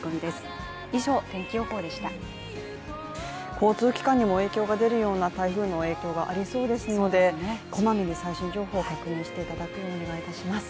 交通機関にも影響が出るような台風の影響がありそうですので、こまめに最新情報、確認していただくようお願いします。